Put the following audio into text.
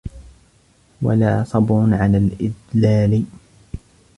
وَلَا صَبْرٌ عَلَى الْإِدْلَالِ